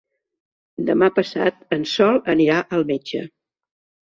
Demà passat en Sol anirà al metge.